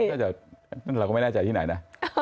เราก็ไม่แน่ใจที่ไหนนะ